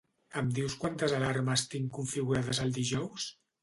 Em dius quantes alarmes tinc configurades el dijous?